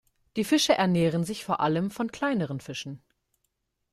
Die Fische ernähren sich vor allem von kleineren Fischen.